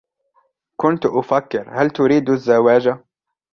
كنت أفكر هل تريد الزواج ؟